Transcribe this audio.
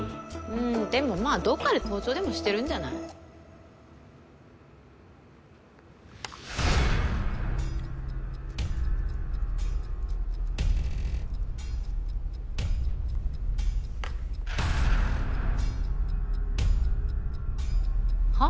うんでもまあどっかで盗聴でもしてるんじゃない？は！？